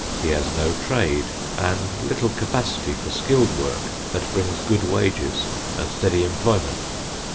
He has no trade and little capacity for skilled work that brings good wages and steady employment.